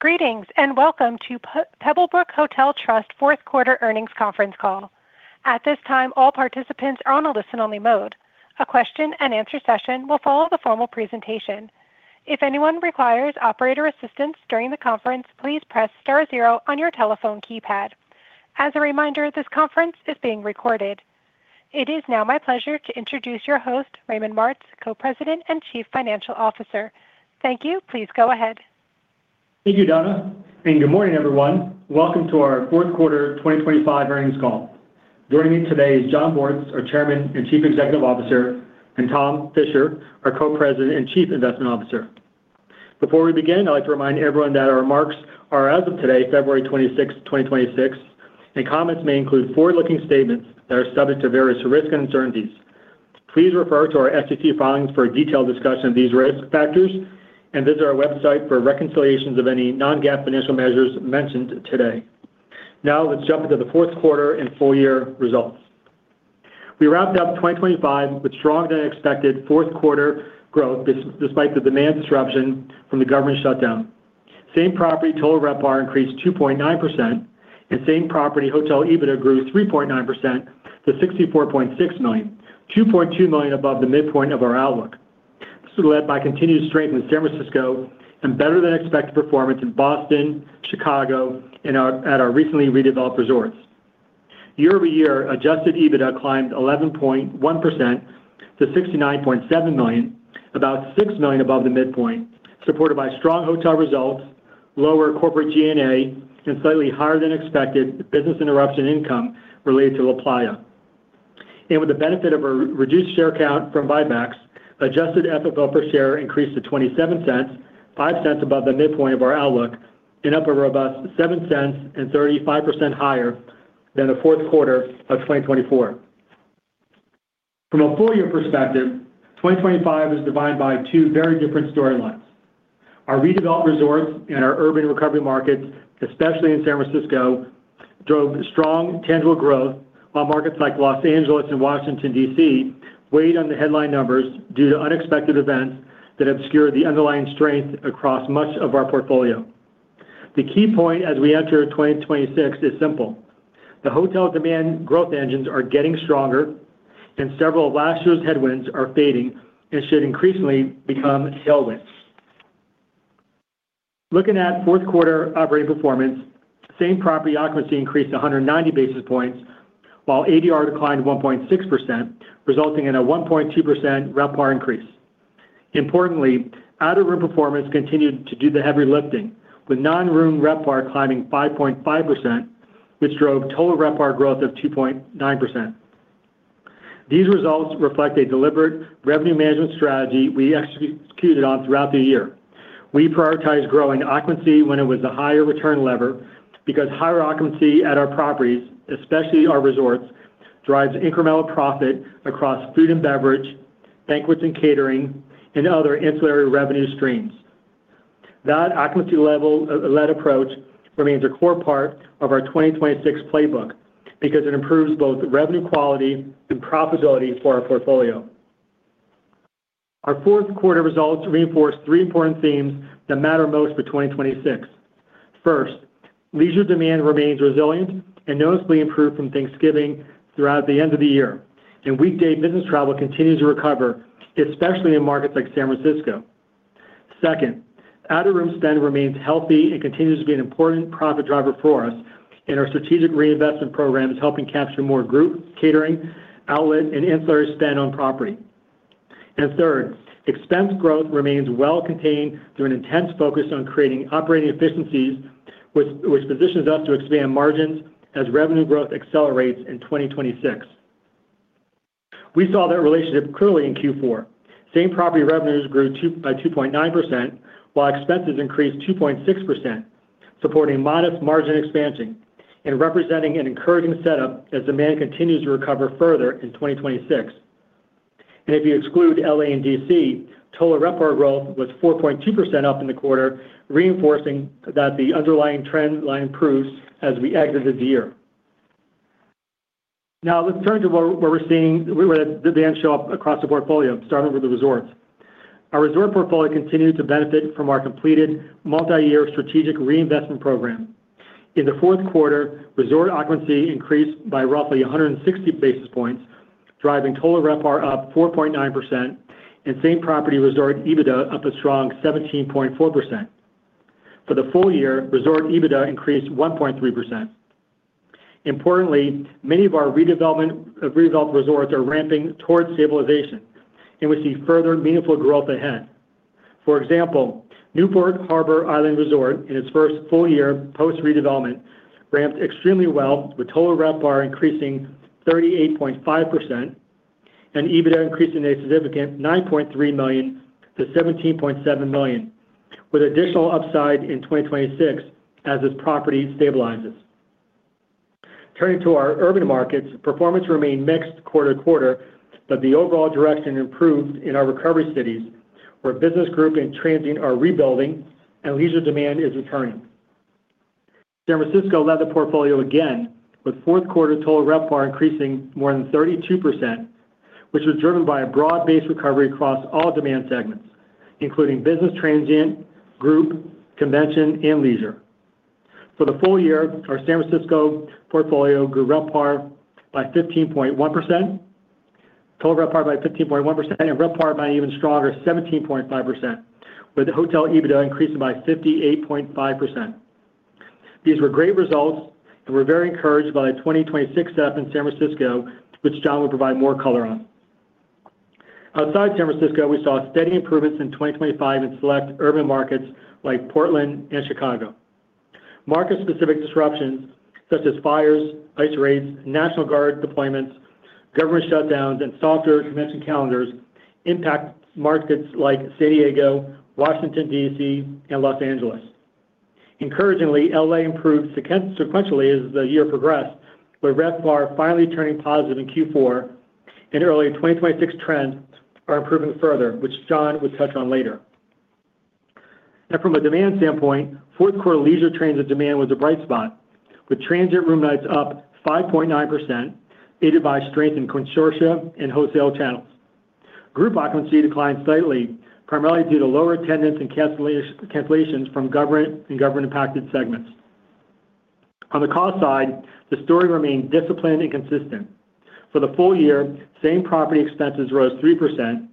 Greetings, and Welcome to Pebblebrook Hotel Trust Fourth Quarter Earnings Conference Call. At this time, all participants are on a listen-only mode. A question-and-answer session will follow the formal presentation. If anyone requires operator assistance during the conference, please press star zero on your telephone keypad. As a reminder, this conference is being recorded. It is now my pleasure to introduce your host, Raymond Martz, Co-President and Chief Financial Officer. Thank you. Please go ahead. Thank you, Donna. Good morning, everyone. Welcome to our 4th quarter 2025 earnings call. Joining me today is Jon Bortz, our Chairman and Chief Executive Officer, and Thomas Fisher, our Co-President and Chief Investment Officer. Before we begin, I'd like to remind everyone that our remarks are as of today, February 26th, 2026. Comments may include forward-looking statements that are subject to various risks and uncertainties. Please refer to our SEC filings for a detailed discussion of these risk factors. Visit our website for reconciliations of any non-GAAP financial measures mentioned today. Let's jump into the 4th quarter and full year results. We wrapped up 2025 with stronger than expected 4th quarter growth, despite the demand disruption from the government shutdown. Same-property total RevPAR increased 2.9%, and same-property hotel EBITDA grew 3.9% to $64.6 million, $2.2 million above the midpoint of our outlook. This was led by continued strength in San Francisco and better than expected performance in Boston, Chicago, at our recently redeveloped resorts. Year-over-year, Adjusted EBITDA climbed 11.1% to $69.7 million, about $6 million above the midpoint, supported by strong hotel results, lower corporate G&A, and slightly higher than expected business interruption income related to LaPlaya. With the benefit of a reduced share count from buybacks, Adjusted EPS per share increased to $0.27, $0.05 above the midpoint of our outlook, and up a robust $0.07 and 35% higher than the fourth quarter of 2024. From a full year perspective, 2025 is divided by two very different storylines. Our redeveloped resorts and our urban recovery markets, especially in San Francisco, drove strong, tangible growth, while markets like Los Angeles and Washington, D.C., weighed on the headline numbers due to unexpected events that obscured the underlying strength across much of our portfolio. The key point as we enter 2026 is simple: the hotel demand growth engines are getting stronger, and several of last year's headwinds are fading and should increasingly become tailwinds. Looking at fourth quarter operating performance, same-property occupancy increased 190 basis points, while ADR declined 1.6%, resulting in a 1.2% RevPAR increase. Importantly, out-of-room performance continued to do the heavy lifting, with non-room RevPAR climbing 5.5%, which drove total RevPAR growth of 2.9%. These results reflect a deliberate revenue management strategy we executed on throughout the year. We prioritized growing occupancy when it was a higher return lever, because higher occupancy at our properties, especially our resorts, drives incremental profit across food and beverage, banquets and catering, and other ancillary revenue streams. That occupancy level, led approach remains a core part of our 2026 playbook because it improves both revenue quality and profitability for our portfolio. Our fourth quarter results reinforce three important themes that matter most for 2026. First, leisure demand remains resilient and noticeably improved from Thanksgiving throughout the end of the year, and weekday business travel continues to recover, especially in markets like San Francisco. Second, out-of-room spend remains healthy and continues to be an important profit driver for us, and our strategic reinvestment program is helping capture more group catering, outlet, and ancillary spend on property. Third, expense growth remains well contained through an intense focus on creating operating efficiencies, which positions us to expand margins as revenue growth accelerates in 2026. We saw that relationship clearly in Q4. Same-property revenues grew by 2.9%, while expenses increased 2.6%, supporting modest margin expansion and representing an encouraging setup as demand continues to recover further in 2026. If you exclude L.A. and D.C., total RevPAR growth was 4.2% up in the quarter, reinforcing that the underlying trend line improves as we exited the year. Now, let's turn to what we're seeing where the demand show up across the portfolio, starting with the resorts. Our resort portfolio continued to benefit from our completed multi-year strategic reinvestment program. In the fourth quarter, resort occupancy increased by roughly 160 basis points, driving total RevPAR up 4.9% and same-property resort EBITDA up a strong 17.4%. For the full year, resort EBITDA increased 1.3%. Importantly, many of our redeveloped resorts are ramping towards stabilization, and we see further meaningful growth ahead. For example, Newport Harbor Island Resort, in its first full year post-redevelopment, ramped extremely well, with total RevPAR increasing 38.5% and EBITDA increasing a significant $9.3 million to $17.7 million, with additional upside in 2026 as this property stabilizes. Turning to our urban markets, performance remained mixed quarter-to-quarter, but the overall direction improved in our recovery cities, where business group and transient are rebuilding and leisure demand is returning. San Francisco led the portfolio again, with fourth quarter total RevPAR increasing more than 32%, which was driven by a broad-based recovery across all demand segments, including business transient, group, convention, and leisure. For the full year, our San Francisco portfolio grew RevPAR by 15.1%. Total RevPAR by 15.1%, and RevPAR by an even stronger 17.5%, with the hotel EBITDA increasing by 58.5%. These were great results, and we're very encouraged by the 2026 setup in San Francisco, which Jon will provide more color on. Outside San Francisco, we saw steady improvements in 2025 in select urban markets like Portland and Chicago. Market-specific disruptions such as fires, ice raids, National Guard deployments, government shutdowns, and softer convention calendars impact markets like San Diego, Washington, D.C., and Los Angeles. Encouragingly, L.A. improved sequentially as the year progressed, with RevPAR finally turning positive in Q4 and early 2026 trends are improving further, which Jon would touch on later. From a demand standpoint, fourth quarter leisure transit demand was a bright spot, with transit room nights up 5.9%, aided by strength in consortia and wholesale channels. Group occupancy declined slightly, primarily due to lower attendance and cancellations from government and government-impacted segments. On the cost side, the story remained disciplined and consistent. For the full year, same property expenses rose 3%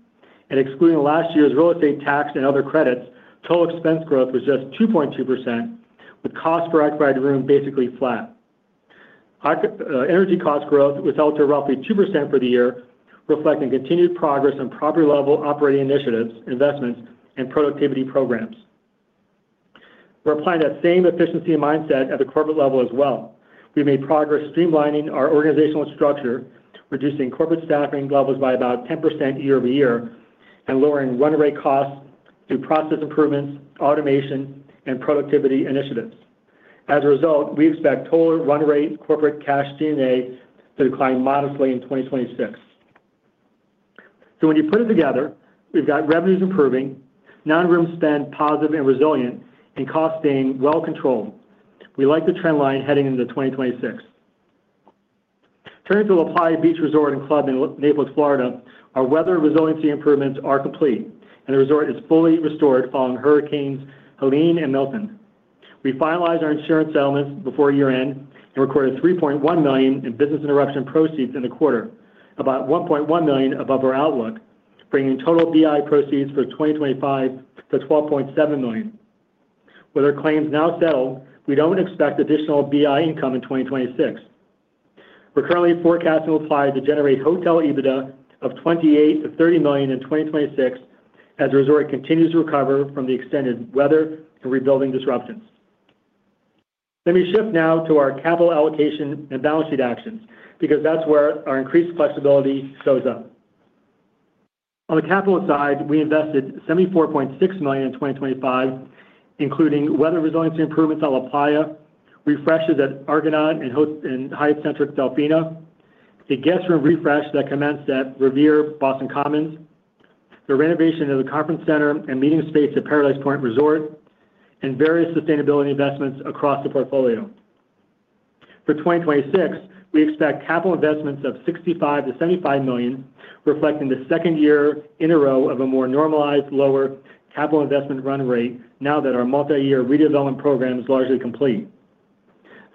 and excluding last year's real estate tax and other credits, total expense growth was just 2.2%, with cost per occupied room basically flat. Our energy cost growth was held to roughly 2% for the year, reflecting continued progress on property-level operating initiatives, investments, and productivity programs. We're applying that same efficiency mindset at the corporate level as well. We made progress streamlining our organizational structure, reducing corporate staffing levels by about 10% year-over-year, and lowering run rate costs through process improvements, automation, and productivity initiatives. As a result, we expect total run rate corporate cash D&A to decline modestly in 2026. When you put it together, we've got revenues improving, non-room spend positive and resilient, and costs staying well controlled. We like the trend line heading into 2026. Turning to LaPlaya Beach Resort & Club in Naples, Florida, our weather resiliency improvements are complete, and the resort is fully restored following Hurricanes Helene and Milton. We finalized our insurance settlements before year-end recorded $3.1 million in business interruption proceeds in the quarter, about $1.1 million above our outlook, bringing total BI proceeds for 2025 to $12.7 million. With our claims now settled, we don't expect additional BI income in 2026. We're currently forecasting LaPlaya to generate hotel EBITDA of $28 million-$30 million in 2026, as the resort continues to recover from the extended weather and rebuilding disruptions. Let me shift now to our capital allocation and balance sheet actions, that's where our increased flexibility shows up. On the capital side, we invested $74.6 million in 2025, including weather resiliency improvements on LaPlaya, refreshes at Argonaut and Hyatt Centric Delfina, the guest room refresh that commenced at Revere Hotel Boston Common, the renovation of the conference center and meeting space at Paradise Point Resort, and various sustainability investments across the portfolio. For 2026, we expect capital investments of $65 million-$75 million, reflecting the second year in a row of a more normalized, lower capital investment run rate now that our multi-year redevelopment program is largely complete.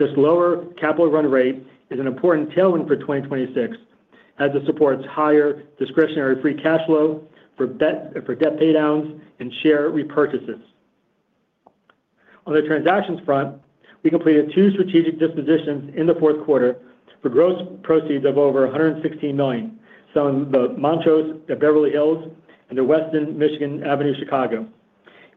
This lower capital run rate is an important tailwind for 2026, as it supports higher discretionary free cash flow for debt paydowns and share repurchases. On the transactions front, we completed two strategic dispositions in the fourth quarter for gross proceeds of over $116 million, selling the Montrose at Beverly Hills and The Westin Michigan Avenue Chicago,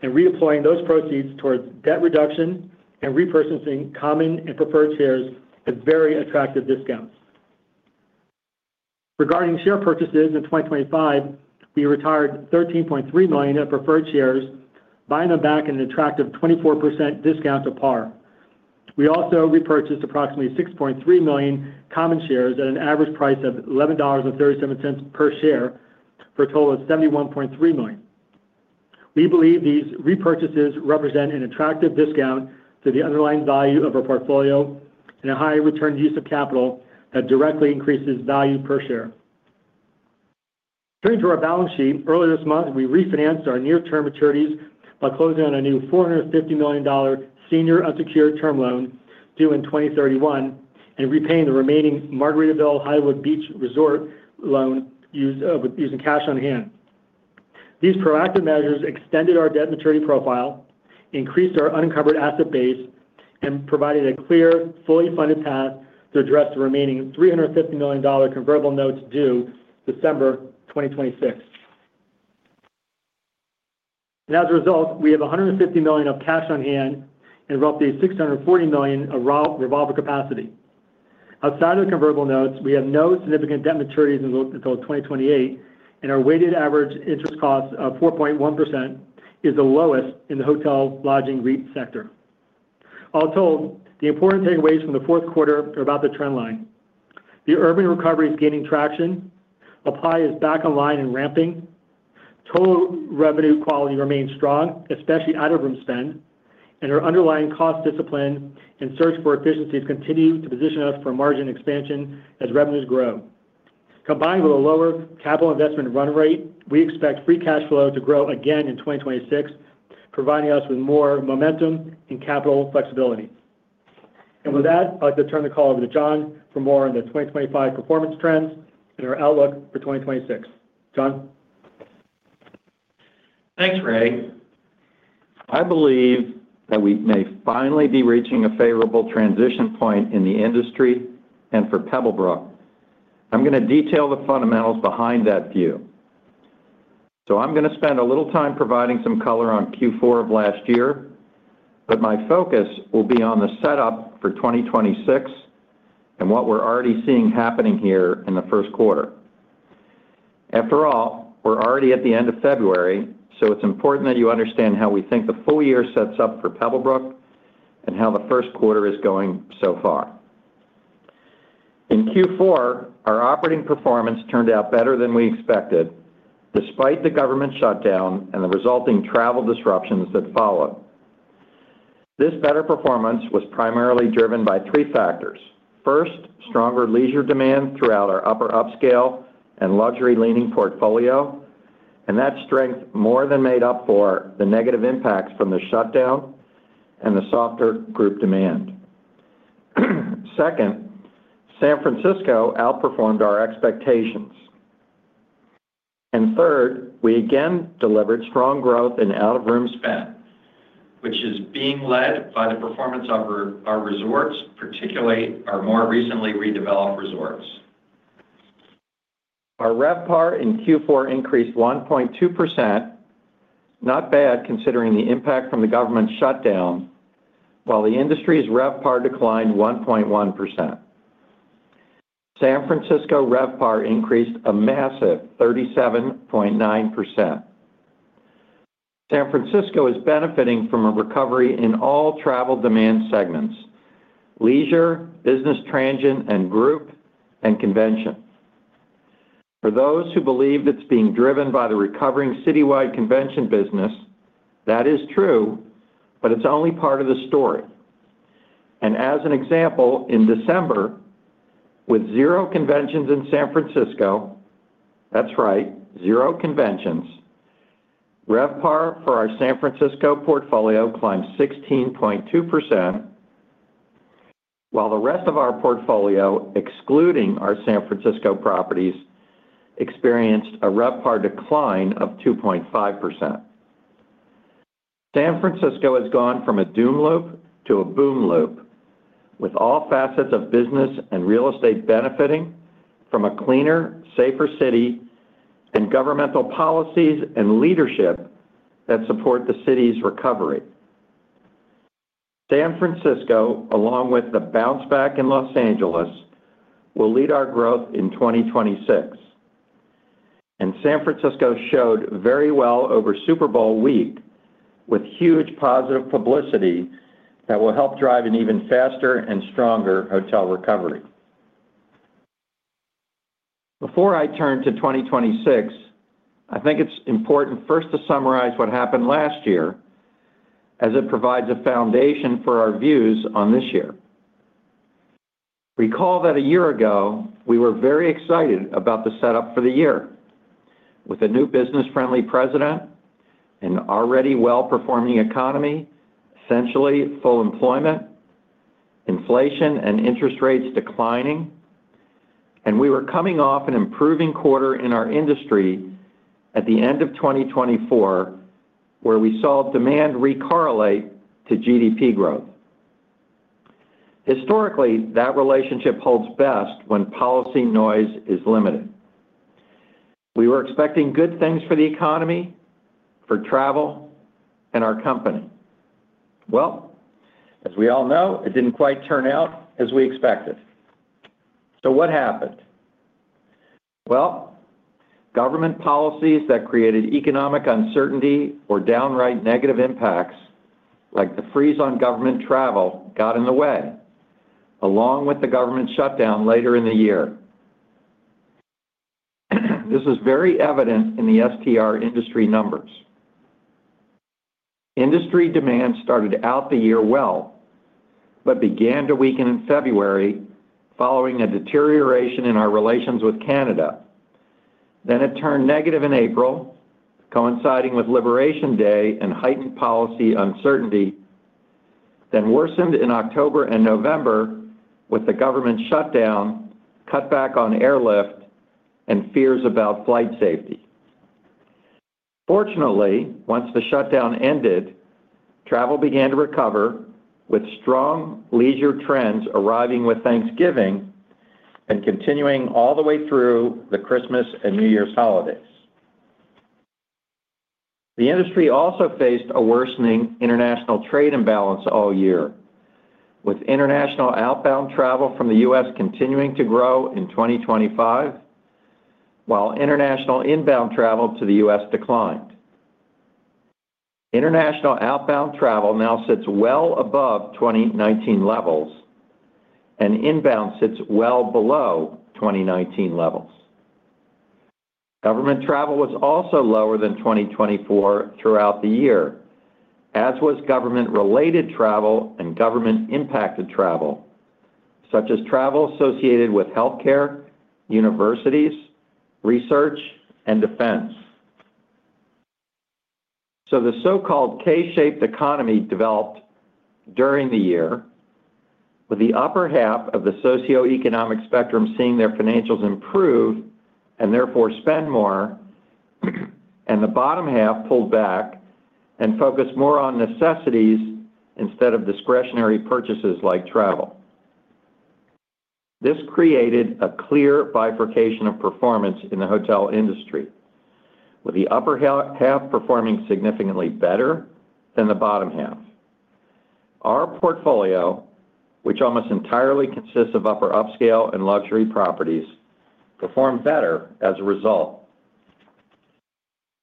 and reemploying those proceeds towards debt reduction and repurchasing common and preferred shares at very attractive discounts. Regarding share purchases in 2025, we retired $13.3 million of preferred shares, buying them back at an attractive 24% discount to par. We also repurchased approximately $6.3 million common shares at an average price of $11.37 per share, for a total of $71.3 million. We believe these repurchases represent an attractive discount to the underlying value of our portfolio and a high return use of capital that directly increases value per share. Turning to our balance sheet, earlier this month, we refinanced our near-term maturities by closing on a new $450 million senior unsecured term loan due in 2031 and repaying the remaining Margaritaville Hollywood Beach Resort loan use with using cash on hand. These proactive measures extended our debt maturity profile, increased our uncovered asset base, and provided a clear, fully funded path to address the remaining $350 million convertible notes due December 2026. As a result, we have $150 million of cash on hand and roughly $640 million of revolving capacity. Outside of the convertible notes, we have no significant debt maturities until 2028, and our weighted average interest cost of 4.1% is the lowest in the hotel lodging REIT sector. All told, the important takeaways from the fourth quarter are about the trend line. The urban recovery is gaining traction, LaPlaya is back online and ramping. Total revenue quality remains strong, especially out-of-room spend, and our underlying cost discipline and search for efficiency has continued to position us for margin expansion as revenues grow. Combined with a lower capital investment run rate, we expect free cash flow to grow again in 2026, providing us with more momentum and capital flexibility. With that, I'd like to turn the call over to Jon for more on the 2025 performance trends and our outlook for 2026. Jon? Thanks, Ray. I believe that we may finally be reaching a favorable transition point in the industry and for Pebblebrook. I'm gonna detail the fundamentals behind that view. I'm gonna spend a little time providing some color on Q4 of last year, but my focus will be on the setup for 2026 and what we're already seeing happening here in the first quarter. After all, we're already at the end of February, so it's important that you understand how we think the full year sets up for Pebblebrook and how the first quarter is going so far. In Q4, our operating performance turned out better than we expected, despite the government shutdown and the resulting travel disruptions that followed. This better performance was primarily driven by three factors: First, stronger leisure demand throughout our upper upscale and luxury leaning portfolio, that strength more than made up for the negative impacts from the shutdown and the softer group demand. Second, San Francisco outperformed our expectations. Third, we again delivered strong growth in out-of-room spend, which is being led by the performance of our resorts, particularly our more recently redeveloped resorts. Our RevPAR in Q4 increased 1.2%, not bad considering the impact from the government shutdown, while the industry's RevPAR declined 1.1%. San Francisco RevPAR increased a massive 37.9%. San Francisco is benefiting from a recovery in all travel demand segments: leisure, business transient, and group, and convention. For those who believe it's being driven by the recovering citywide convention business, that is true, but it's only part of the story. As an example, in December, with zero conventions in San Francisco, that's right, zero conventions, RevPAR for our San Francisco portfolio climbed 16.2%, while the rest of our portfolio, excluding our San Francisco properties, experienced a RevPAR decline of 2.5%. San Francisco has gone from a doom loop to a boom loop, with all facets of business and real estate benefiting from a cleaner, safer city and governmental policies and leadership that support the city's recovery. San Francisco, along with the bounce back in Los Angeles, will lead our growth in 2026. San Francisco showed very well over Super Bowl week, with huge positive publicity that will help drive an even faster and stronger hotel recovery. Before I turn to 2026, I think it's important first to summarize what happened last year, as it provides a foundation for our views on this year. Recall that a year ago, we were very excited about the setup for the year. With a new business-friendly president, an already well-performing economy, essentially full employment, inflation and interest rates declining, and we were coming off an improving quarter in our industry at the end of 2024, where we saw demand re-correlate to GDP growth. Historically, that relationship holds best when policy noise is limited. We were expecting good things for the economy, for travel, and our company. As we all know, it didn't quite turn out as we expected. What happened? Well, government policies that created economic uncertainty or downright negative impacts, like the freeze on government travel, got in the way, along with the government shutdown later in the year. This is very evident in the STR industry numbers. Industry demand started out the year well, but began to weaken in February, following a deterioration in our relations with Canada. Then it turned negative in April, coinciding with Liberation Day and heightened policy uncertainty, then worsened in October and November with the government shutdown, cut back on airlift, and fears about flight safety. Fortunately, once the shutdown ended, travel began to recover, with strong leisure trends arriving with Thanksgiving and continuing all the way through the Christmas and New Year's holidays. The industry also faced a worsening international trade imbalance all year, with international outbound travel from the U.S. continuing to grow in 2025, while international inbound travel to the U.S. declined. International outbound travel now sits well above 2019 levels, and inbound sits well below 2019 levels. Government travel was also lower than 2024 throughout the year, as was government-related travel and government-impacted travel, such as travel associated with healthcare, universities, research, and defense. The so-called K-shaped economy developed during the year, with the upper half performing significantly better than the bottom half. Our portfolio, which almost entirely consists of upper upscale and luxury properties, performed better as a result.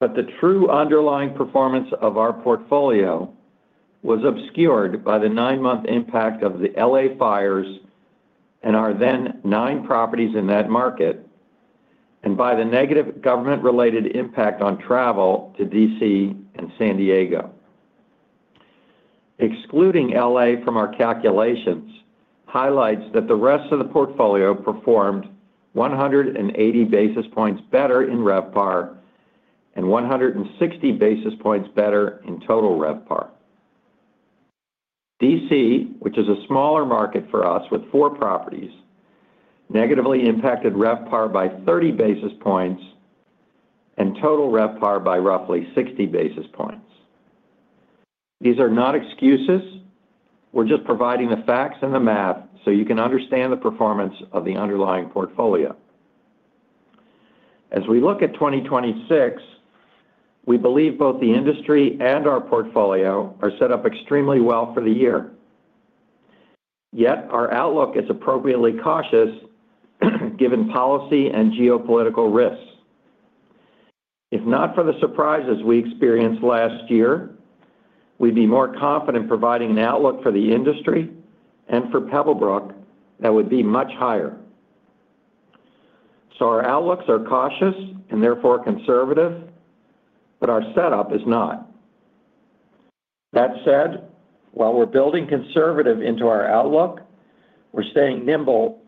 The true underlying performance of our portfolio was obscured by the nine-month impact of the L.A. fires and our then nine properties in that market, and by the negative government-related impact on travel to D.C. and San Diego. Excluding L.A. from our calculations, highlights that the rest of the portfolio performed 180 basis points better in RevPAR and 160 basis points better in total RevPAR. D.C., which is a smaller market for us with four properties, negatively impacted RevPAR by 30 basis points and total RevPAR by roughly 60 basis points. These are not excuses, we're just providing the facts and the math so you can understand the performance of the underlying portfolio. As we look at 2026, we believe both the industry and our portfolio are set up extremely well for the year. Our outlook is appropriately cautious, given policy and geopolitical risks. If not for the surprises we experienced last year, we'd be more confident providing an outlook for the industry and for Pebblebrook that would be much higher. Our outlooks are cautious and therefore conservative, but our setup is not. That said, while we're building conservative into our outlook, we're staying nimble,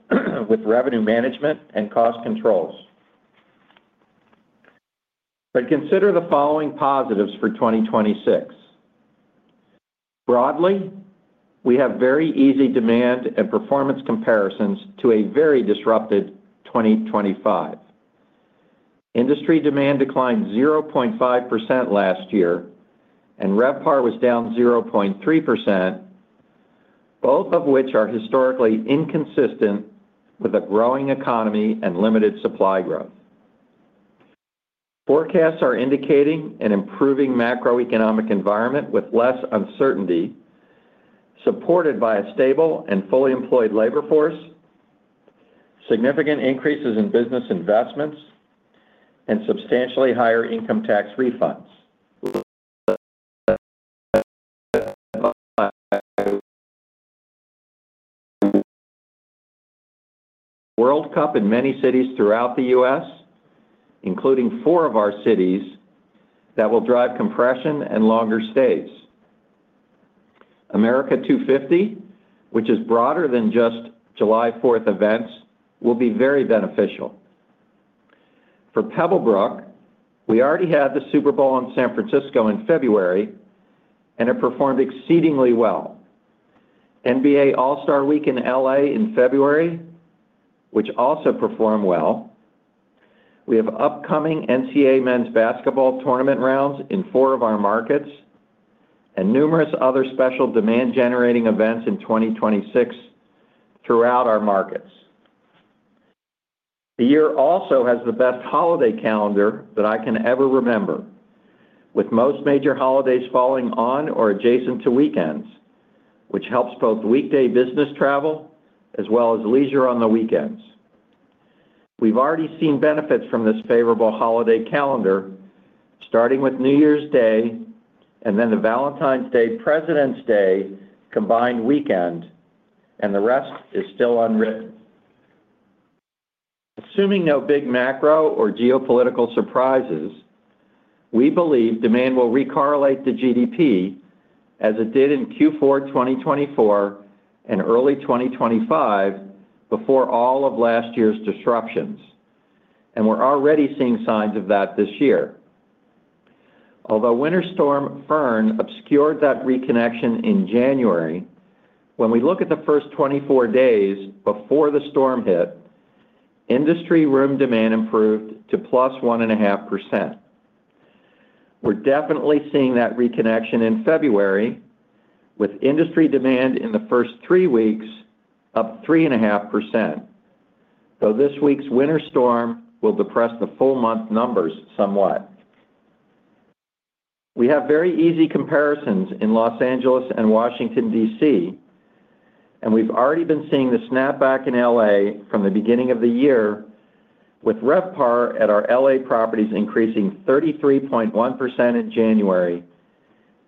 with revenue management and cost controls. Consider the following positives for 2026. Broadly, we have very easy demand and performance comparisons to a very disrupted 2025. Industry demand declined 0.5% last year, and RevPAR was down 0.3%, both of which are historically inconsistent with a growing economy and limited supply growth. Forecasts are indicating an improving macroeconomic environment with less uncertainty, supported by a stable and fully employed labor force, significant increases in business investments, and substantially higher income tax refunds. World Cup in many cities throughout the U.S., including four of our cities, that will drive compression and longer stays. America250, which is broader than just July 4th events, will be very beneficial. For Pebblebrook, we already had the Super Bowl in San Francisco in February. It performed exceedingly well. NBA All-Star Week in L.A. in February, which also performed well. We have upcoming NCAA Men's Basketball Tournament rounds in four of our markets and numerous other special demand-generating events in 2026 throughout our markets. The year also has the best holiday calendar that I can ever remember, with most major holidays falling on or adjacent to weekends, which helps both weekday business travel as well as leisure on the weekends. We've already seen benefits from this favorable holiday calendar, starting with New Year's Day and then the Valentine's Day, President's Day combined weekend, and the rest is still unwritten. Assuming no big macro or geopolitical surprises, we believe demand will re-correlate to GDP as it did in Q4 2024 and early 2025 before all of last year's disruptions, and we're already seeing signs of that this year. Although Winter Storm Fern obscured that reconnection in January, when we look at the first 24 days before the storm hit, industry room demand improved to +1.5%. We're definitely seeing that reconnection in February, with industry demand in the first three weeks up 3.5%. This week's winter storm will depress the full month numbers somewhat. We have very easy comparisons in Los Angeles and Washington, D.C. We've already been seeing the snapback in L.A. from the beginning of the year, with RevPAR at our L.A. properties increasing 33.1% in January,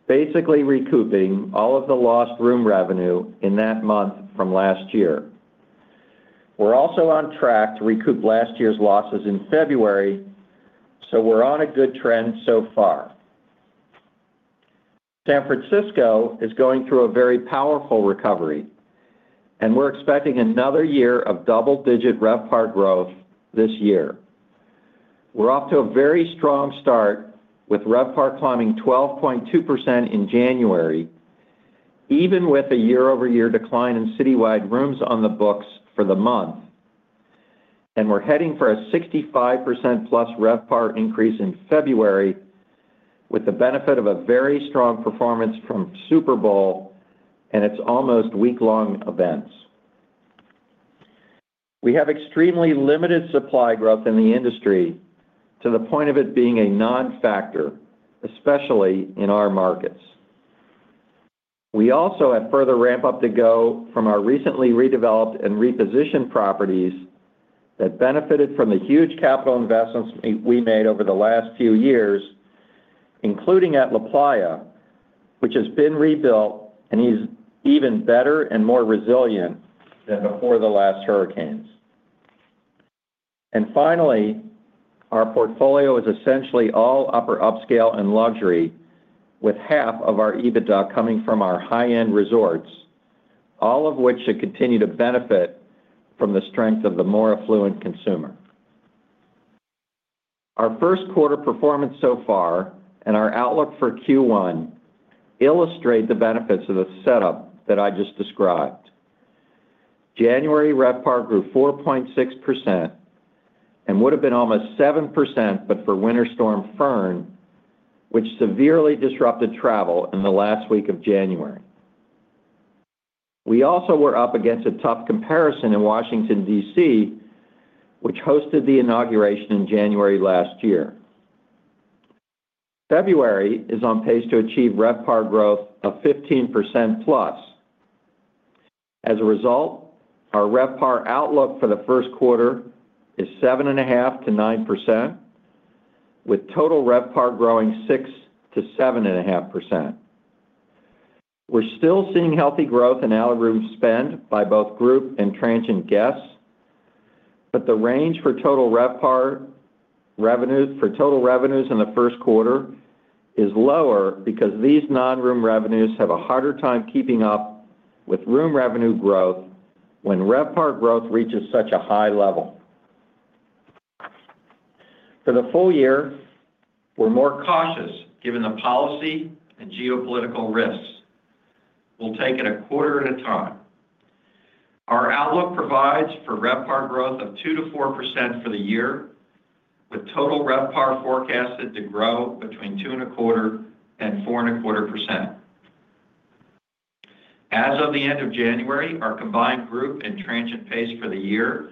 basically recouping all of the lost room revenue in that month from last year. We're also on track to recoup last year's losses in February. We're on a good trend so far. San Francisco is going through a very powerful recovery. We're expecting another year of double-digit RevPAR growth this year. We're off to a very strong start, with RevPAR climbing 12.2% in January, even with a year-over-year decline in citywide rooms on the books for the month. We're heading for a 65%-plus RevPAR increase in February, with the benefit of a very strong performance from Super Bowl and its almost week-long events. We have extremely limited supply growth in the industry to the point of it being a non-factor, especially in our markets. We also have further ramp-up to go from our recently redeveloped and repositioned properties that benefited from the huge capital investments we made over the last few years, including at LaPlaya, which has been rebuilt and is even better and more resilient than before the last hurricanes. Finally, our portfolio is essentially all upper upscale and luxury, with half of our EBITDA coming from our high-end resorts, all of which should continue to benefit from the strength of the more affluent consumer. Our first quarter performance so far and our outlook for Q1 illustrate the benefits of the setup that I just described. January RevPAR grew 4.6% and would have been almost 7%, but for Winter Storm Fern, which severely disrupted travel in the last week of January. We also were up against a tough comparison in Washington, D.C., which hosted the inauguration in January last year. February is on pace to achieve RevPAR growth of 15%+. As a result, our RevPAR outlook for the first quarter is 7.5%-9%, with total RevPAR growing 6%-7.5%. We're still seeing healthy growth in out-of-room spend by both group and transient guests, but the range for total RevPAR revenues-- for total revenues in the first quarter is lower because these non-room revenues have a harder time keeping up with room revenue growth when RevPAR growth reaches such a high level. For the full year, we're more cautious given the policy and geopolitical risks. We'll take it a quarter at a time. Our outlook provides for RevPAR growth of 2%-4% for the year, with total RevPAR forecasted to grow between 2.25% and 4.25%. As of the end of January, our combined group and transient pace for the year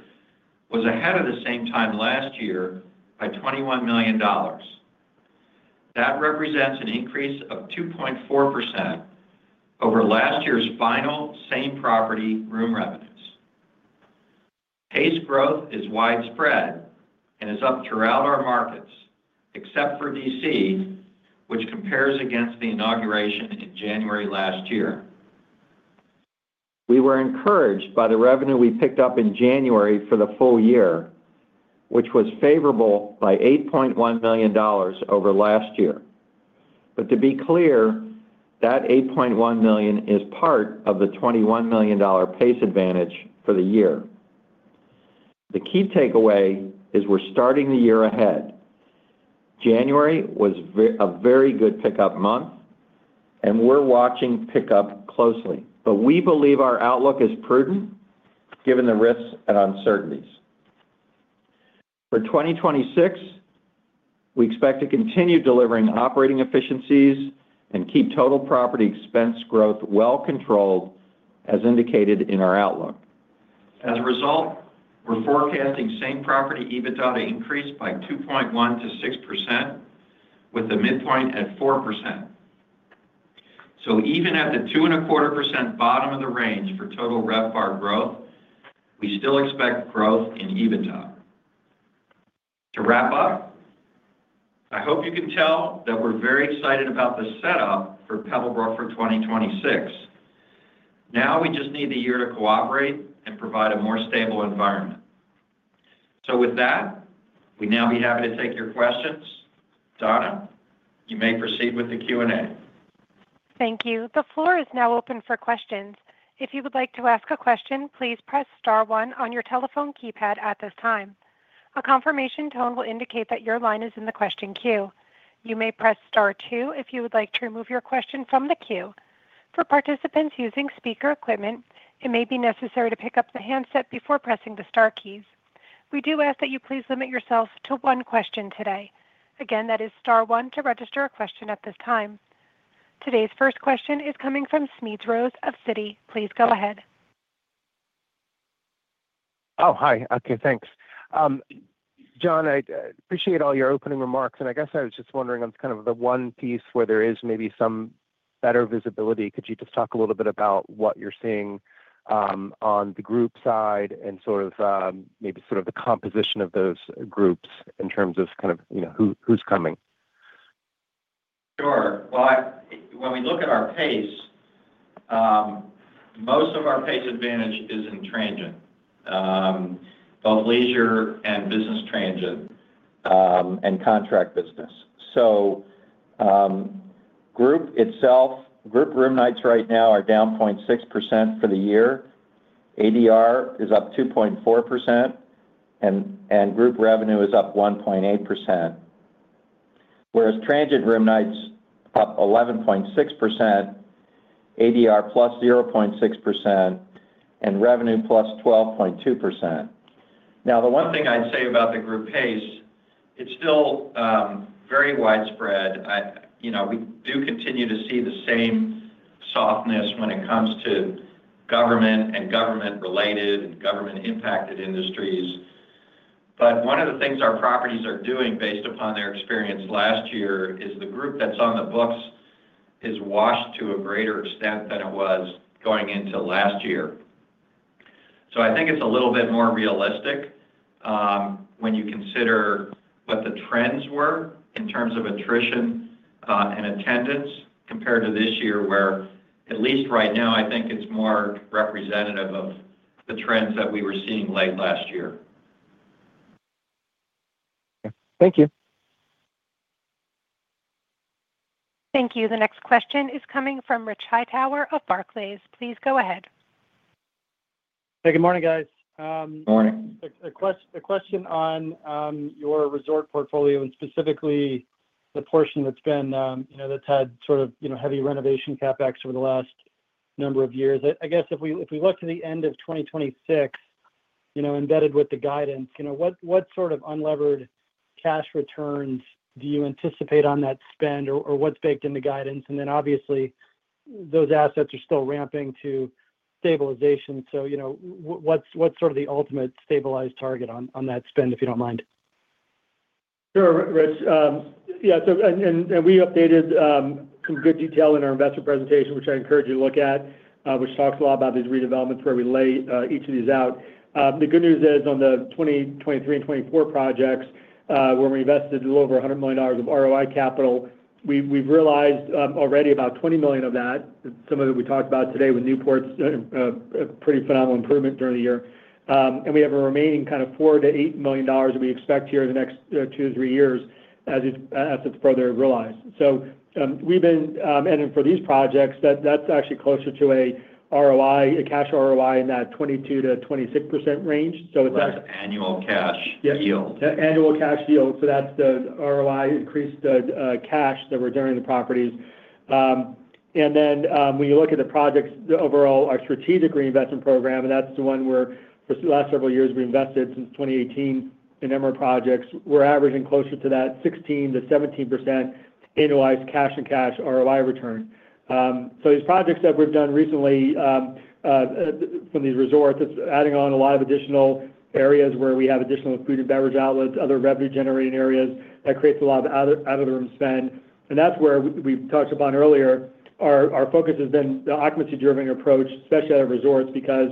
was ahead of the same time last year by $21 million. That represents an increase of 2.4% over last year's final same-property room revenues. Pace growth is widespread and is up throughout our markets, except for D.C., which compares against the inauguration in January last year. We were encouraged by the revenue we picked up in January for the full year, which was favorable by $8.1 million over last year. To be clear, that $8.1 million is part of the $21 million pace advantage for the year. The key takeaway is we're starting the year ahead. January was a very good pickup month, and we're watching pickup closely, but we believe our outlook is prudent given the risks and uncertainties. For 2026, we expect to continue delivering operating efficiencies and keep total property expense growth well controlled, as indicated in our outlook. As a result, we're forecasting same-property EBITDA to increase by 2.1%-6%, with the midpoint at 4%. Even at the 2.25% bottom of the range for total RevPAR growth, we still expect growth in EBITDA. To wrap up, I hope you can tell that we're very excited about the setup for Pebblebrook for 2026. Now, we just need the year to cooperate and provide a more stable environment. With that, we'd now be happy to take your questions. Donna, you may proceed with the Q&A. Thank you. The floor is now open for questions. If you would like to ask a question, please press star one on your telephone keypad at this time. A confirmation tone will indicate that your line is in the question queue. You may press star two if you would like to remove your question from the queue. For participants using speaker equipment, it may be necessary to pick up the handset before pressing the star keys. We do ask that you please limit yourself to one question today. Again, that is star one to register a question at this time. Today's first question is coming from Smedes Rose of Citi. Please go ahead. Oh, hi. Okay, thanks. Jon, I appreciate all your opening remarks. I guess I was just wondering on kind of the one piece where there is maybe some better visibility. Could you just talk a little bit about what you're seeing, on the group side and sort of, maybe sort of the composition of those groups in terms of kind of, you know, who's coming? Sure. When we look at our pace, most of our pace advantage is in transient, both leisure and business transient, and contract business. Group itself, group room nights right now are down 0.6% for the year. ADR is up 2.4%, and group revenue is up 1.8%. Whereas transient room nights up 11.6%, ADR plus 0.6%, and revenue plus 12.2%. The one thing I'd say about the group pace, it's still very widespread. You know, we do continue to see the same softness when it comes to government and government-related and government-impacted industries. One of the things our properties are doing based upon their experience last year is the group that's on the books is washed to a greater extent than it was going into last year. I think it's a little bit more realistic, when you consider what the trends were in terms of attrition, and attendance, compared to this year, where at least right now, I think it's more representative of the trends that we were seeing late last year. Okay. Thank you. Thank you. The next question is coming from Rich Hightower of Barclays. Please go ahead. Hey, good morning, guys. Good morning. A question on your resort portfolio, and specifically the portion that's been, you know, that's had sort of, you know, heavy renovation CapEx over the last number of years. I guess if we look to the end of 2026, you know, embedded with the guidance, you know, what sort of unlevered cash returns do you anticipate on that spend, or what's baked in the guidance? Obviously, those assets are still ramping to stabilization. You know, what's sort of the ultimate stabilized target on that spend, if you don't mind? Sure, Rich. We updated some good detail in our investor presentation, which I encourage you to look at, which talks a lot about these redevelopments where we lay each of these out. The good news is, on the 2023 and 2024 projects, where we invested a little over $100 million of ROI capital, we've realized already about $20 million of that. Some of it we talked about today with Newport's a pretty phenomenal improvement during the year. We have a remaining kind of $4 million-$8 million we expect here in the next two to three years as it's further realized. For these projects, that's actually closer to a ROI, a cash ROI, in that 22%-26% range. So it's- Annual cash yield. Yeah, annual cash yield. That's the ROI, increased cash that we're doing in the properties. When you look at the projects, overall, our strategic reinvestment program, that's the one where for the last several years we've invested, since 2018 in M&R projects, we're averaging closer to that 16%-17% annualized cash and cash ROI return. These projects that we've done recently, from these resorts, it's adding on a lot of additional areas where we have additional food and beverage outlets, other revenue-generating areas. That creates a lot of out-of-the-room spend. That's where we talked about earlier, our focus has been the occupancy-driven approach, especially out of resorts, because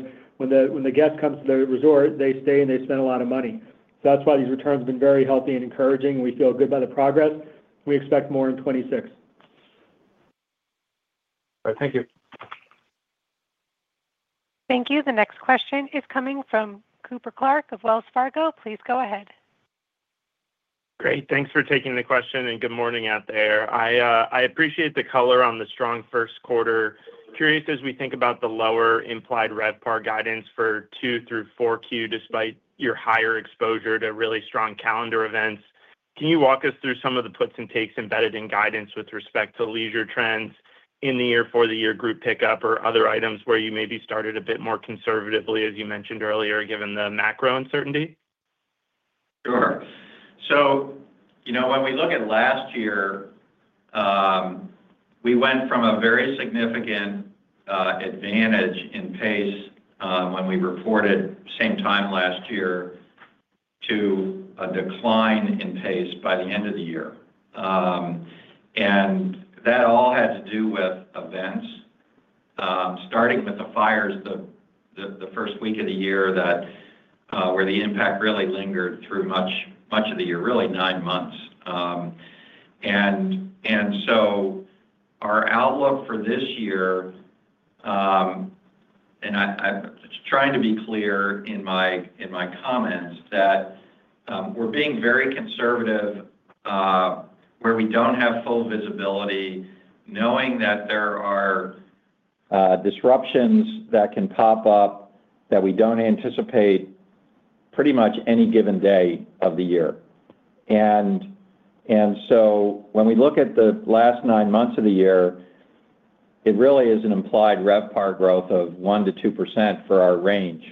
when the guest comes to the resort, they stay and they spend a lot of money. That's why these returns have been very healthy and encouraging. We feel good about the progress. We expect more in 2026. All right. Thank you. Thank you. The next question is coming from Dori Kesten of Wells Fargo. Please go ahead. Great. Thanks for taking the question, and good morning out there. I appreciate the color on the strong first quarter. Curious, as we think about the lower implied RevPAR guidance for two through 4Q, despite your higher exposure to really strong calendar events, can you walk us through some of the puts and takes embedded in guidance with respect to leisure trends in the year, for the year group pickup or other items where you maybe started a bit more conservatively, as you mentioned earlier, given the macro uncertainty? Sure. you know, when we look at last year, we went from a very significant advantage in pace, when we reported same time last year to a decline in pace by the end of the year. That all had to do with events, starting with the fires, the first week of the year that where the impact really lingered through much of the year, really nine months. Our outlook for this year, and I'm trying to be clear in my comments that we're being very conservative where we don't have full visibility, knowing that there are disruptions that can pop up that we don't anticipate pretty much any given day of the year. When we look at the last nine months of the year, it really is an implied RevPAR growth of 1%-2% for our range.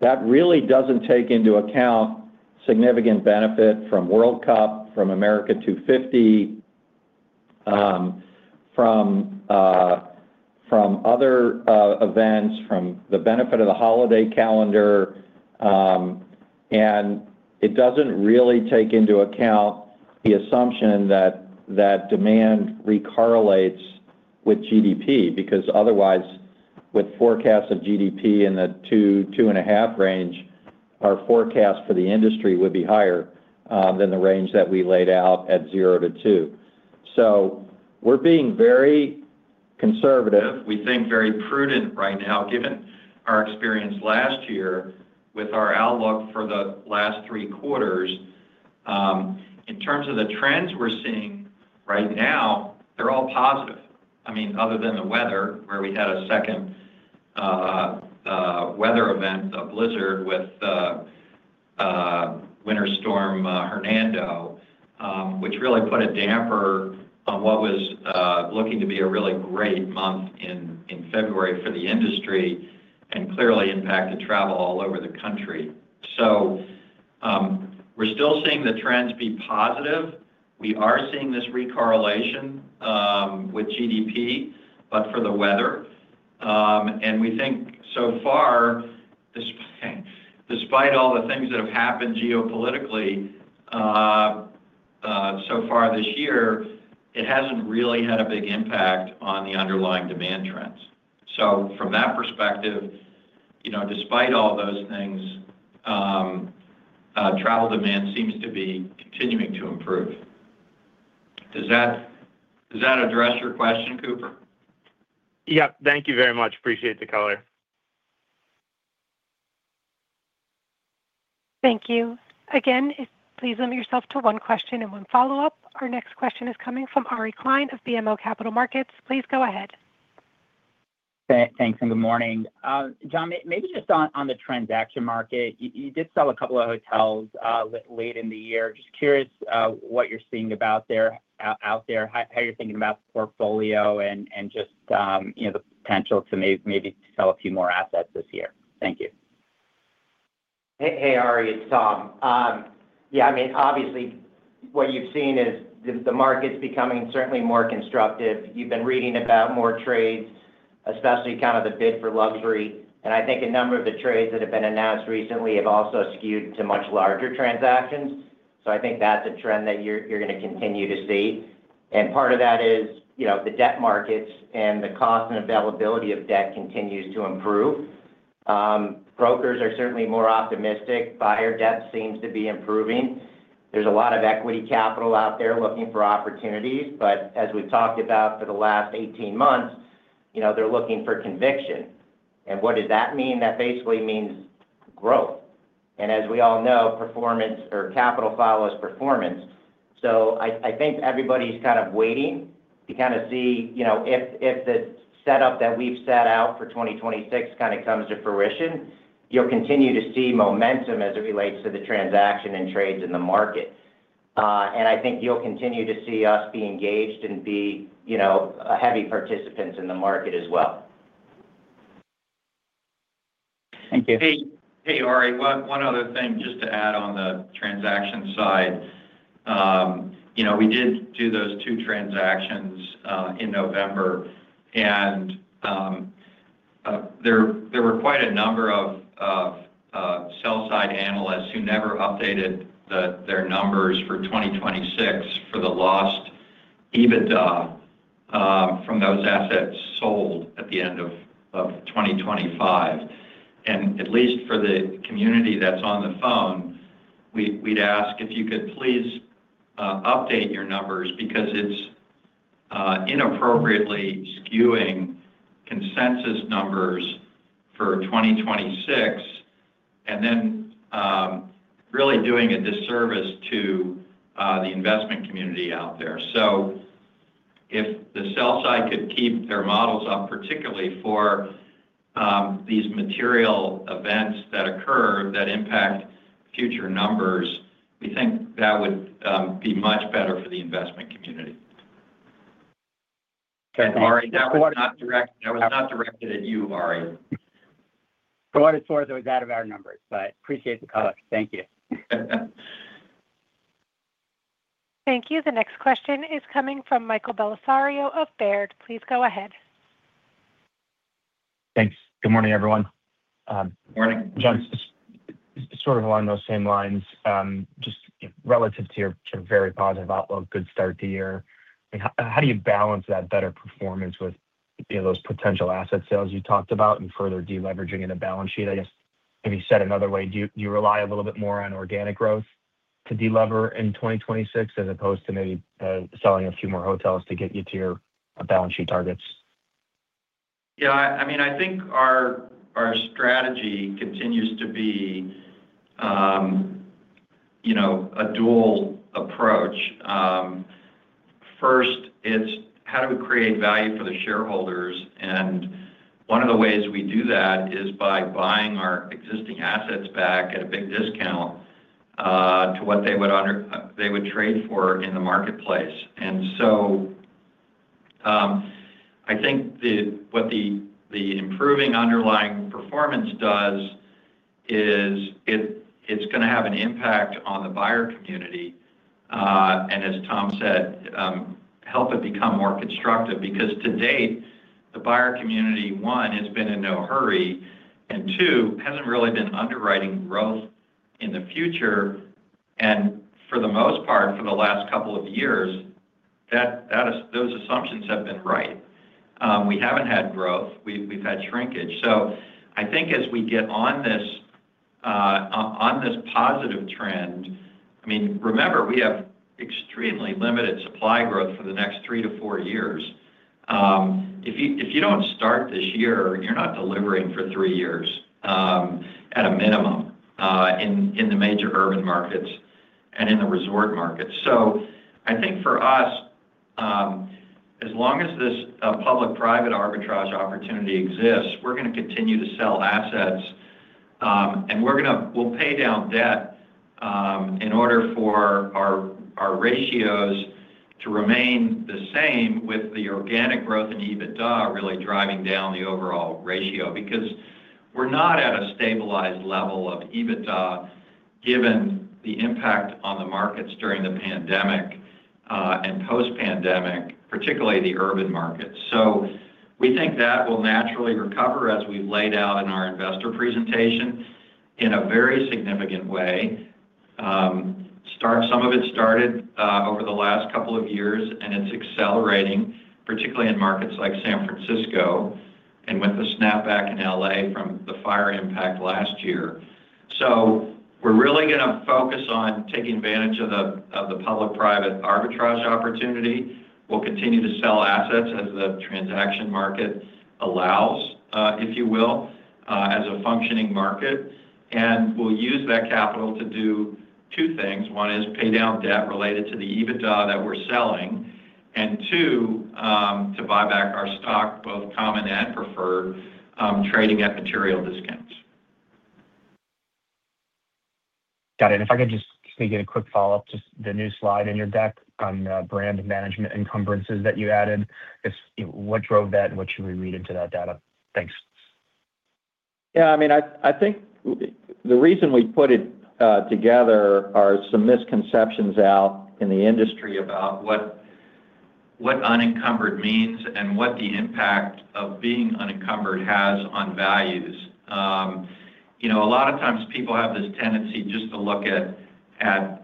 That really doesn't take into account significant benefit from World Cup, from America250, from other events, from the benefit of the holiday calendar. It doesn't really take into account the assumption that demand re-correlates with GDP, because otherwise, with forecasts of GDP in the 2%-2.5% range, our forecast for the industry would be higher than the range that we laid out at 0%-2%. We're being very conservative. We think very prudent right now, given our experience last year with our outlook for the last three quarters. In terms of the trends we're seeing right now, they're all positive. I mean, other than the weather, where we had a second weather event, a blizzard with Winter Storm Hernando, which really put a damper on what was looking to be a really great month in February for the industry and clearly impacted travel all over the country. We're still seeing the trends be positive. We are seeing this re-correlation with GDP, but for the weather. We think so far, despite all the things that have happened geopolitically, so far this year, it hasn't really had a big impact on the underlying demand trends. From that perspective, you know, despite all those things, travel demand seems to be continuing to improve. Does that address your question, Cooper? Yep. Thank you very much. Appreciate the color. Thank you. Again, please limit yourself to one question and one follow-up. Our next question is coming from Ari Klein of BMO Capital Markets. Please go ahead. Thanks. Good morning. Jon, maybe just on the transaction market, you did sell a couple of hotels late in the year. Just curious what you're seeing out there, how you're thinking about the portfolio and just, you know, the potential to maybe sell a few more assets this year. Thank you. Hey, Ari, it's Tom. Yeah, I mean, obviously what you've seen is the market's becoming certainly more constructive. You've been reading about more trades, especially kind of the bid for luxury. I think a number of the trades that have been announced recently have also skewed to much larger transactions. I think that's a trend that you're going to continue to see. Part of that is, you know, the debt markets and the cost and availability of debt continues to improve. Brokers are certainly more optimistic. Buyer debt seems to be improving. There's a lot of equity capital out there looking for opportunities, but as we've talked about for the last 18 months, you know, they're looking for conviction. What does that mean? That basically means growth. As we all know, performance or capital follows performance. I think everybody's kind of waiting to kind of see, you know, if the setup that we've set out for 2026 kind of comes to fruition, you'll continue to see momentum as it relates to the transaction and trades in the market. I think you'll continue to see us be engaged and be, you know, a heavy participants in the market as well. Thank you. Hey, Ari, one other thing just to add on the transaction side. you know, we did do those two transactions in November, and there were quite a number of sell side analysts who never updated their numbers for 2026 for the lost EBITDA from those assets sold at the end of 2025. At least for the community that's on the phone, we'd ask if you could please update your numbers because it's inappropriately skewing consensus numbers for 2026, and then really doing a disservice to the investment community out there. If the sell side could keep their models up, particularly for these material events that occur that impact future numbers, we think that would be much better for the investment community. Okay, thank you. Ari, that was not directed at you, Ari. Go out as far as it was out of our numbers, but appreciate the color. Thank you. Thank you. The next question is coming from Michael Bellisario of Baird. Please go ahead. Thanks. Good morning, everyone. Good morning. Jon, just sort of along those same lines, just relative to your, to your very positive outlook, good start to the year, how do you balance that better performance with, you know, those potential asset sales you talked about and further deleveraging in the balance sheet? I guess, maybe said another way, do you rely a little bit more on organic growth to delever in 2026 as opposed to maybe selling a few more hotels to get you to your balance sheet targets? Yeah, I mean, I think our strategy continues to be, you know, a dual approach. First, it's how do we create value for the shareholders. One of the ways we do that is by buying our existing assets back at a big discount to what they would trade for in the marketplace. I think the improving underlying performance does is it's going to have an impact on the buyer community, and as Tom said, help it become more constructive, because to date, the buyer community, one, has been in no hurry, and two, hasn't really been underwriting growth in the future. For the most part, for the last couple of years, those assumptions have been right. We haven't had growth, we've had shrinkage. I think as we get on this positive trend, I mean, remember, we have extremely limited supply growth for the next three to four years. If you don't start this year, you're not delivering for three years, at a minimum, in the major urban markets and in the resort markets. I think for us, as long as this public-private arbitrage opportunity exists, we're going to continue to sell assets, and we'll pay down debt, in order for our ratios to remain the same with the organic growth in EBITDA really driving down the overall ratio. We're not at a stabilized level of EBITDA, given the impact on the markets during the pandemic, and post-pandemic, particularly the urban market. We think that will naturally recover, as we've laid out in our investor presentation, in a very significant way. Some of it started over the last couple of years, and it's accelerating, particularly in markets like San Francisco and with the snapback in L.A. from the fire impact last year. We're really going to focus on taking advantage of the public-private arbitrage opportunity. We'll continue to sell assets as the transaction market allows, if you will, as a functioning market. We'll use that capital to do two things. One is pay down debt related to the EBITDA that we're selling. two, to buy back our stock, both common and preferred, trading at material discounts. Got it. If I could just maybe get a quick follow-up, just the new slide in your deck on, brand management encumbrances that you added, just what drove that and what should we read into that data? Thanks. Yeah, I mean, I think the reason we put it together are some misconceptions out in the industry about what unencumbered means and what the impact of being unencumbered has on values. You know, a lot of times people have this tendency just to look at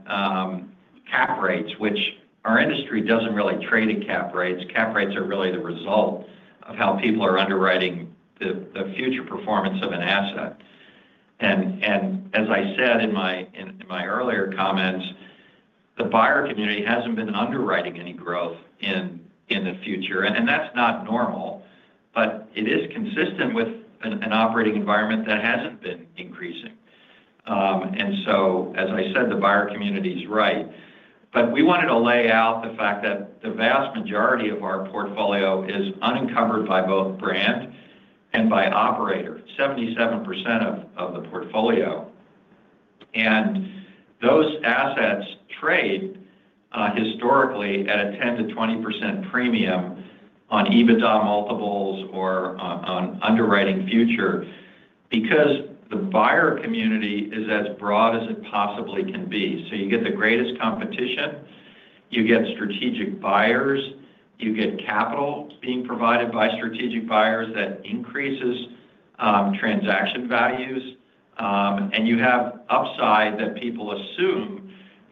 cap rates, which our industry doesn't really trade in cap rates. Cap rates are really the result of how people are underwriting the future performance of an asset. As I said in my earlier comments, the buyer community hasn't been underwriting any growth in the future, and that's not normal, but it is consistent with an operating environment that hasn't been increasing. As I said, the buyer community is right. We wanted to lay out the fact that the vast majority of our portfolio is unencumbered by both brand and by operator, 77% of the portfolio. Those assets trade historically at a 10%-20% premium on EBITDA multiples or on underwriting future because the buyer community is as broad as it possibly can be. You get the greatest competition, you get strategic buyers, you get capital being provided by strategic buyers that increases transaction values, and you have upside that people assume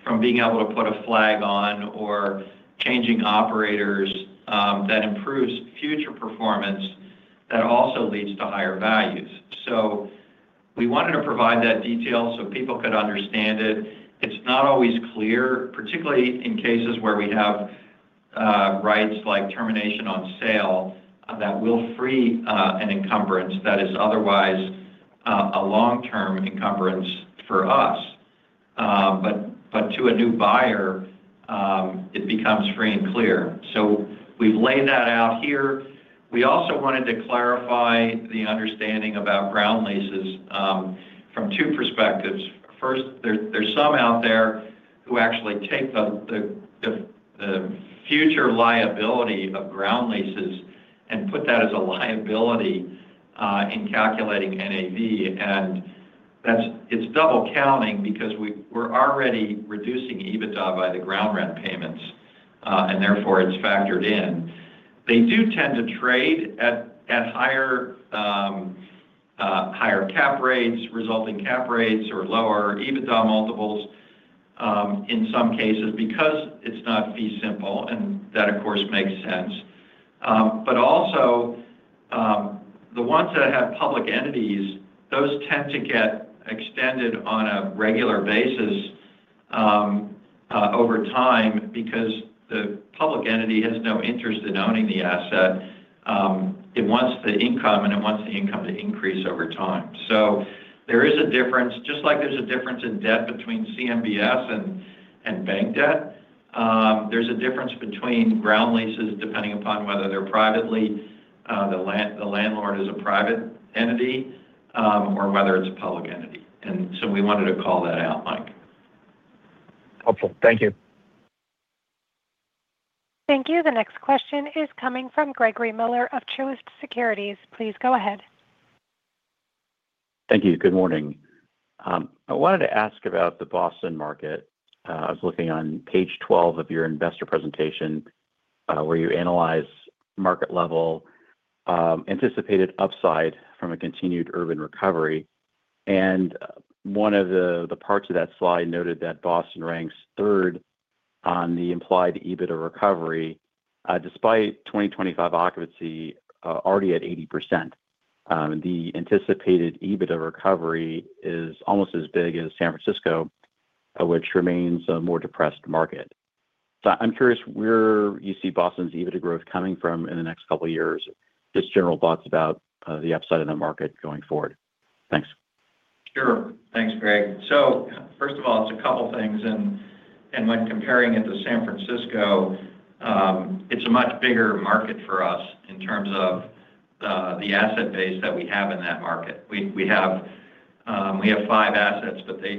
from being able to put a flag on or changing operators, that improves future performance that also leads to higher values. We wanted to provide that detail so people could understand it. It's not always clear, particularly in cases where we have rights like termination on sale, that will free an encumbrance that is otherwise a long-term encumbrance for us. To a new buyer, it becomes free and clear. We've laid that out here. We also wanted to clarify the understanding about ground leases from two perspectives. First, there's some out there who actually take the future liability of ground leases and put that as a liability in calculating NAV, and it's double counting because we're already reducing EBITDA by the ground rent payments, and therefore it's factored in. They do tend to trade at higher cap rates, resulting cap rates or lower EBITDA multiples, in some cases, because it's not fee simple, and that, of course, makes sense. Also, the ones that have public entities, those tend to get extended on a regular basis over time because the public entity has no interest in owning the asset. It wants the income, and it wants the income to increase over time. There is a difference, just like there's a difference in debt between CMBS and bank debt, there's a difference between ground leases, depending upon whether they're privately, the landlord is a private entity, or whether it's a public entity. We wanted to call that out, Mike. Helpful. Thank you. Thank you. The next question is coming from Gregory Miller of Truist Securities. Please go ahead. morning. I wanted to ask about the Boston market. I was looking on page 12 of your investor presentation, where you analyze market level anticipated upside from a continued urban recovery. One of the parts of that slide noted that Boston ranks third on the implied EBITDA recovery, despite 2025 occupancy already at 80%. The anticipated EBITDA recovery is almost as big as San Francisco, which remains a more depressed market. I'm curious where you see Boston's EBITDA growth coming from in the next couple of years. Just general thoughts about the upside in the market going forward. Thanks. Sure. Thanks, Greg. First of all, it's a couple of things, and when comparing it to San Francisco, it's a much bigger market for us in terms of the asset base that we have in that market. We have five assets, but they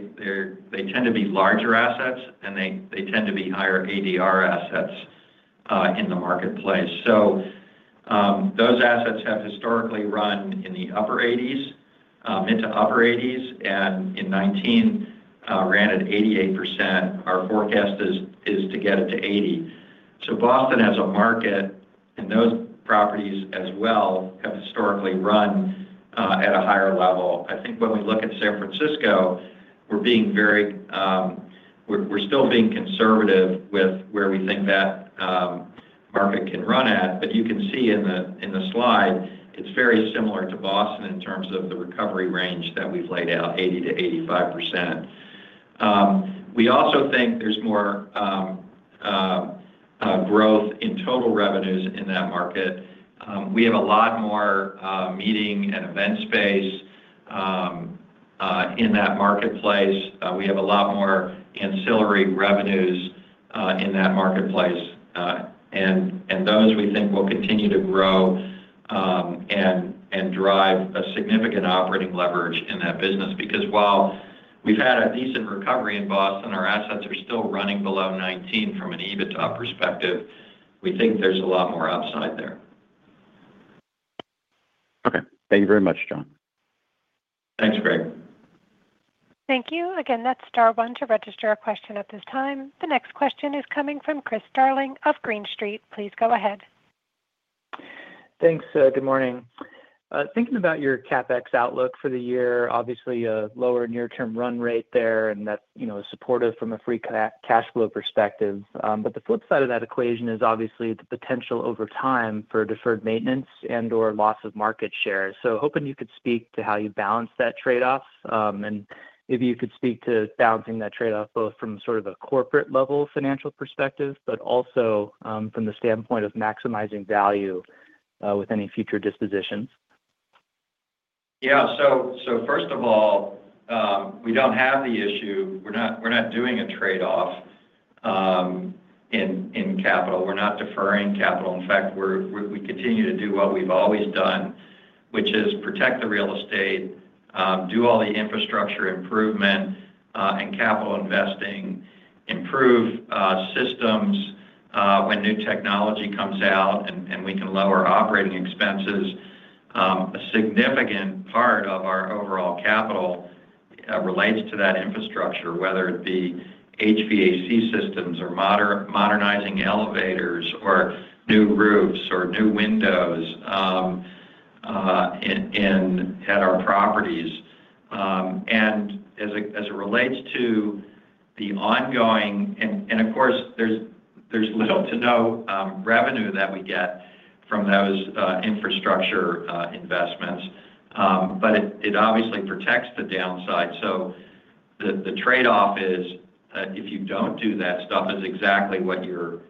tend to be larger assets and they tend to be higher ADR assets in the marketplace. Those assets have historically run in the upper eighties into upper eighties, and in 19 ran at 88%. Our forecast is to get it to 80. Boston as a market and those properties as well, have historically run at a higher level. I think when we look at San Francisco, we're being very conservative with where we think that market can run at. You can see in the, in the slide, it's very similar to Boston in terms of the recovery range that we've laid out, 80%-85%. We also think there's more growth in total revenues in that market. We have a lot more meeting and event space in that marketplace. We have a lot more ancillary revenues in that marketplace. Those we think will continue to grow and drive a significant operating leverage in that business. Because while we've had a decent recovery in Boston, our assets are still running below 2019 from an EBITDA perspective. We think there's a lot more upside there. Okay. Thank you very much, Jon. Thanks, Greg. Thank you. Again, that's star one to register a question at this time. The next question is coming from Chris Darling of Green Street. Please go ahead. Thanks, good morning. Thinking about your CapEx outlook for the year, obviously a lower near-term run rate there, and that's, you know, supportive from a free cash flow perspective. The flip side of that equation is obviously the potential over time for deferred maintenance and/or loss of market share. Hoping you could speak to how you balance that trade-off, and if you could speak to balancing that trade-off both from sort of a corporate level financial perspective, but also from the standpoint of maximizing value with any future dispositions. Yeah. First of all, we don't have the issue. We're not doing a trade-off in capital. We're not deferring capital. In fact, we continue to do what we've always done, which is protect the real estate, do all the infrastructure improvement and capital investing, improve systems when new technology comes out and we can lower operating expenses. A significant part of our overall capital relates to that infrastructure, whether it be HVAC systems or modernizing elevators or new roofs or new windows at our properties. As it relates to the ongoing. Of course, there's little to no revenue that we get from those infrastructure investments, but it obviously protects the downside. The, the trade-off is, if you don't do that stuff, is exactly what you're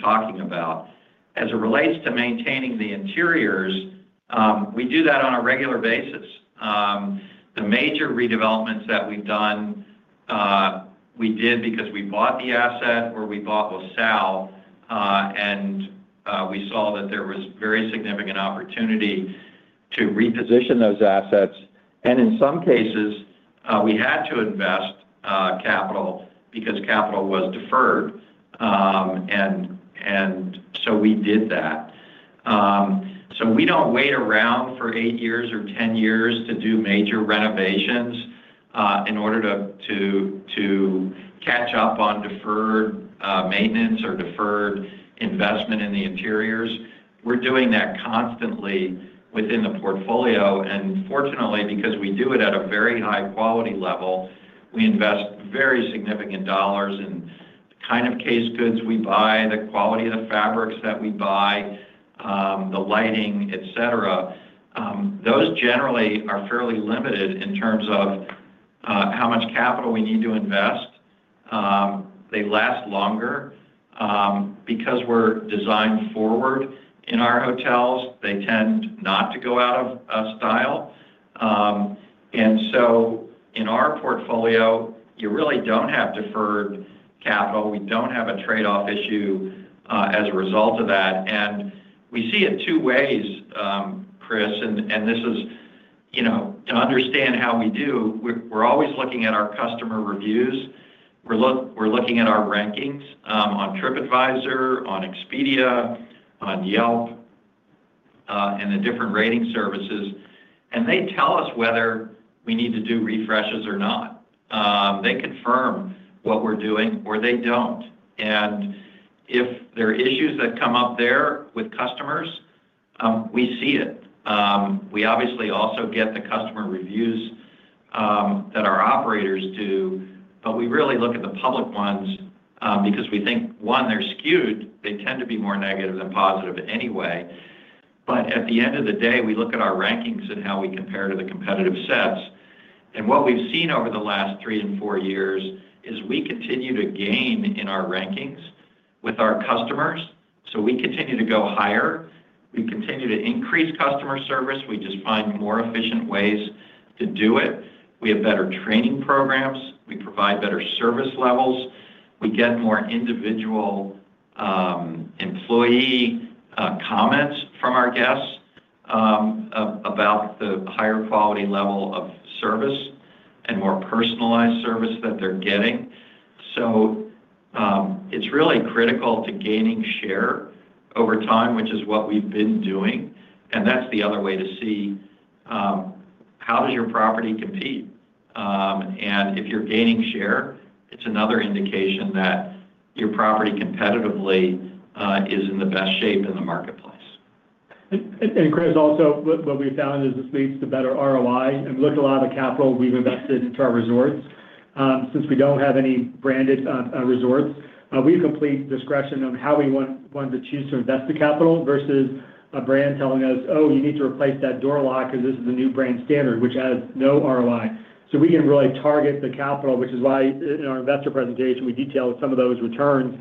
talking about. As it relates to maintaining the interiors, we do that on a regular basis. The major redevelopments that we've done, we did because we bought the asset or we bought those sale, and we saw that there was very significant opportunity to reposition those assets. In some cases, we had to invest capital because capital was deferred. We did that. We don't wait around for eight years or 10 years to do major renovations, in order to catch up on deferred maintenance or deferred investment in the interiors. We're doing that constantly within the portfolio, and fortunately, because we do it at a very high quality level, we invest very significant dollars in the kind of case goods we buy, the quality of the fabrics that we buy, the lighting, et cetera. Those generally are fairly limited in terms of how much capital we need to invest. They last longer. Because we're designed forward in our hotels, they tend not to go out of style. In our portfolio, you really don't have deferred capital. We don't have a trade-off issue as a result of that. We see it two ways, Chris, you know, to understand how we do, we're always looking at our customer reviews. We're looking at our rankings on Tripadvisor, on Expedia, on Yelp, and the different rating services, and they tell us whether we need to do refreshes or not. They confirm what we're doing or they don't. If there are issues that come up there with customers, we see it. We obviously also get the customer reviews that our operators do, but we really look at the public ones, because we think, one, they're skewed. They tend to be more negative than positive anyway. At the end of the day, we look at our rankings and how we compare to the competitive sets. What we've seen over the last three and four years is we continue to gain in our rankings with our customers, so we continue to go higher. We continue to increase customer service. We just find more efficient ways to do it. We have better training programs. We provide better service levels. We get more individual employee comments from our guests about the higher quality level of service and more personalized service that they're getting. It's really critical to gaining share over time, which is what we've been doing, and that's the other way to see how does your property compete? If you're gaining share, it's another indication that your property competitively is in the best shape in the marketplace. Chris, also, we found is this leads to better ROI, look, a lot of capital we've invested into our resorts. Since we don't have any branded resorts, we have complete discretion on how we choose to invest the capital versus a brand telling us, "Oh, you need to replace that door lock because this is the new brand standard," which has no ROI. We can really target the capital, which is why in our investor presentation, we detail some of those returns,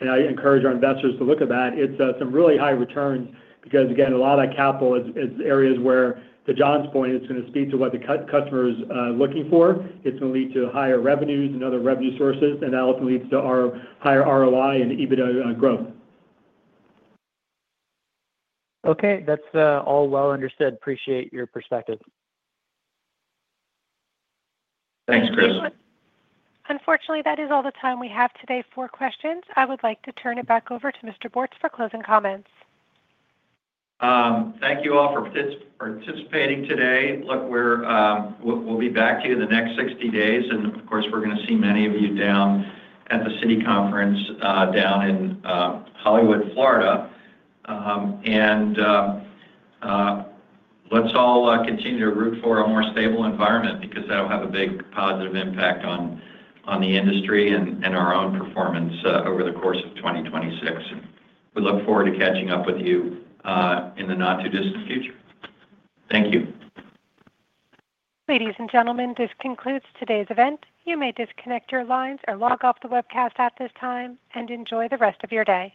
and I encourage our investors to look at that. It's some really high returns because, again, a lot of that capital is areas where, to Jon's point, it's gonna speak to what the customer is looking for. It's gonna lead to higher revenues and other revenue sources, and that also leads to our higher ROI and EBITDA, growth. Okay. That's all well understood. Appreciate your perspective. Thanks, Chris. Unfortunately, that is all the time we have today for questions. I would like to turn it back over to Mr. Bortz for closing comments. Thank you all for participating today. Look, We'll be back to you in the next 60 days, of course, we're gonna see many of you down at the Citi Conference, down in Hollywood, Florida. Let's all continue to root for a more stable environment because that'll have a big positive impact on the industry and our own performance over the course of 2026. We look forward to catching up with you in the not-too-distant future. Thank you. Ladies and gentlemen, this concludes today's event. You may disconnect your lines or log off the webcast at this time, and enjoy the rest of your day.